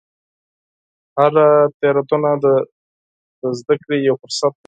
هره تېروتنه د زده کړې یو فرصت دی.